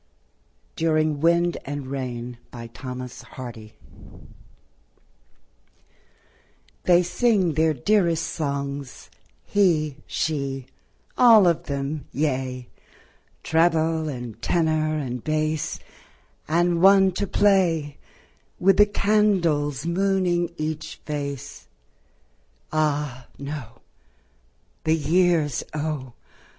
DURING WIND AND RAIN THEY sing their dearest songsŌĆö He, she, all of themŌĆöyea, Treble and tenor and bass, And one to play; With the candles mooning each face ... Ah, no; the years O!